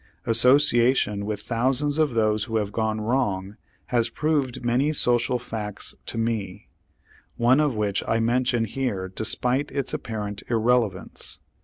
Association with thousands of those who have gone wrong has proved many social facts to me, one of which I mention here despite its apparent irrelevance.